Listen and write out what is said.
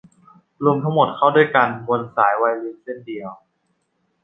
รวมทั้งหมดเข้าด้วยกันบนสายไวโอลินเส้นเดียว